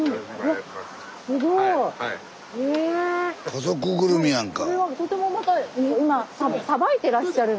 家族ぐるみやんか。